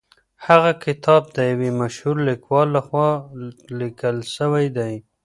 هغه کتاب د یو مشهور لیکوال لخوا لیکل سوی دی.